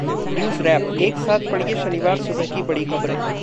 NewsWrap: एक साथ पढ़िए शनिवार सुबह की बड़ी खबरें